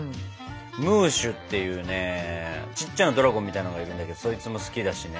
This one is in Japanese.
ムーシュっていうねちっちゃなドラゴンみたいのがいるんだけどそいつも好きだしね。